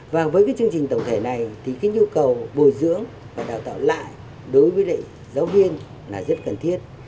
và với chương trình tổng thể này nhu cầu bồi dưỡng và đào tạo lại đối với giáo viên rất cần thiết